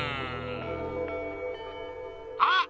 あっ！